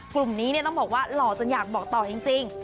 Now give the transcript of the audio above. กลุ่มนี้เนี่ยต้องบอกว่าหล่อจนอยากบอกต่อจริง